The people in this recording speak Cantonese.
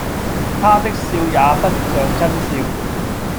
他的笑也不像眞笑。